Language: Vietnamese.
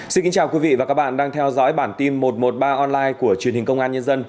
xin kính chào quý vị và các bạn đang theo dõi bản tin một trăm một mươi ba online của truyền hình công an nhân dân